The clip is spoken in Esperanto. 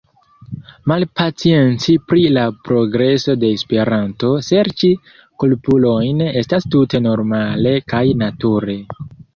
Malpacienci pri la progreso de Esperanto, serĉi kulpulojn, estas tute normale kaj nature.